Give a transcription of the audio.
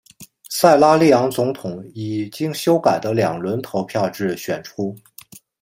塞拉利昂总统以经修改的两轮投票制选出。